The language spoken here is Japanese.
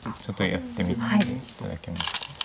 ちょっとやってみて頂けますか。